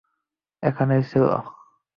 এখানেই তো ছিল!